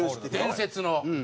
伝説の。